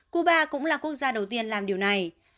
cuba cũng là quốc gia đầu tiên làm điều này